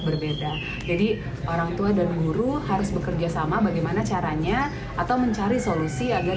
berbeda jadi orang tua dan guru harus bekerja sama bagaimana caranya atau mencari solusi agar